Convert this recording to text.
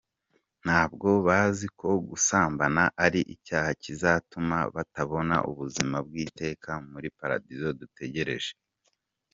Ntabwo bazi ko gusambana ari icyaha kizatuma batabona ubuzima bw’iteka muli paradizo dutegereje.